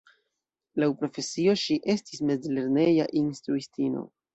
Laŭ profesio, ŝi estis mezlerneja instruistino.